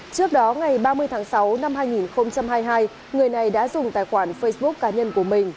trước đó ngày ba mươi tháng sáu năm hai nghìn hai mươi hai người này đã dùng tài khoản facebook cá nhân của mình